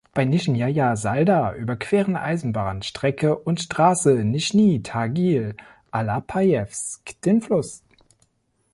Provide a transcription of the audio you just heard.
Bei Nischnjaja Salda überqueren Eisenbahnstrecke und Straße Nischni Tagil–Alapajewsk den Fluss.